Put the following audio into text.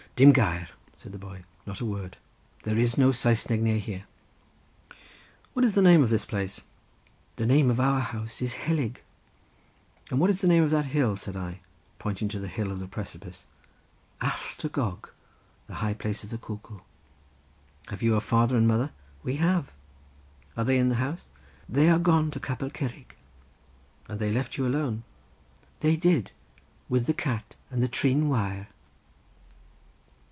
"Dim gair," said the boy; "not a word; there is no Saesneg near here." "What is the name of this place?" "The name of our house is Helyg." "And what is the name of that hill?" said I, pointing to the hill of the precipice. "Allt y Gôg—the high place of the cuckoo." "Have you a father and mother?" "We have." "Are they in the house?" "They have gone to Capel Curig." "And they left you alone?" "They did. With the cat and the trin wire."